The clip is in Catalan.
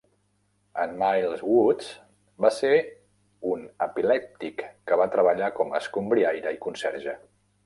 En Miles Woods va ser un epilèptic que va treballar com a escombriaire i conserge.